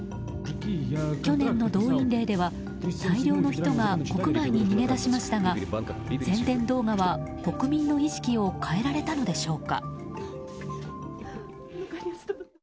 去年の動員令では、大量の人が国外に逃げ出しましたが宣伝動画は国民の意識を変えられたのでしょうか。